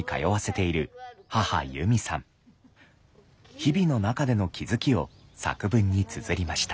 日々の中での気付きを作文につづりました。